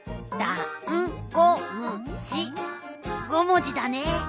５もじだね。